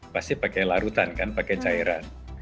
pasti pakai larutan kan pakai cairan